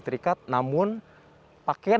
terikat namun pakaian